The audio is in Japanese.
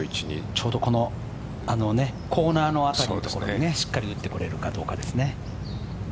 ちょうどコーナーの辺りのところにしっかり打ってこれるかどうかですよね。